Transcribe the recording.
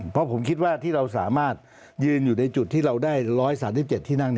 เพราะผมคิดว่าที่เราสามารถยืนอยู่ในจุดที่เราได้๑๓๗ที่นั่ง